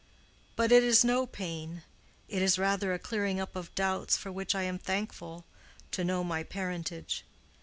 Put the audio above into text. But it is no pain—it is rather a clearing up of doubts for which I am thankful, to know my parentage.